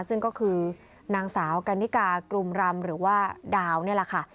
ซึ่งก็คือนางสาวกันนิกากลุ่มรำหรือว่าดาวนี่แหละค่ะ